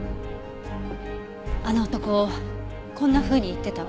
あの男こんなふうに言ってたわ。